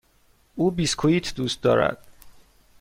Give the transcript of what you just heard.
او بیسکوییت دوست دارد.